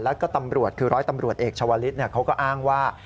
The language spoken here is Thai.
แล้วก็ร้อยตำรวจเอกชวลิศเขาก็อ้างว่า